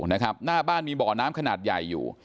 หน้าบ้านมีบ่อน้ำขนาดใหญ่อยู่